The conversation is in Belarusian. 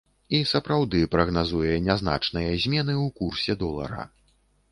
І сапраўды прагназуе нязначныя змены ў курсе долара.